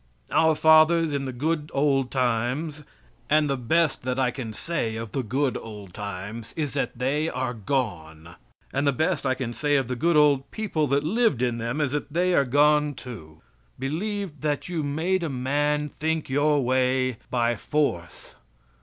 Our fathers in the "good old times," and the best that I can say of the "good old times" is that they are gone, and the best I can say of the good old people that lived in them is that they are gone, too believed that you made a man think your way by force.